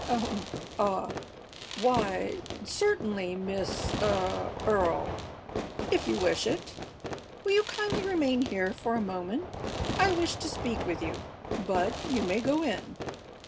"Um! Ah! Why, certainly, Miss ah Earle, if you wish it. Will you kindly remain here for a moment? I wish to speak with you. Bud, you may go on."